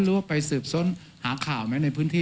ว่าไปสืบส้นหาข่าวไหมในพื้นที่